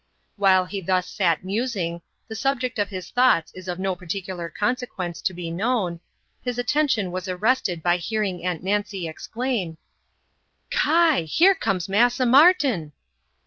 While he thus sat musing the subject of his thoughts is of no particular consequence to be known his attention was arrested by hearing Aunt Nancy exclaim "Ki! Here comes Massa Martin!"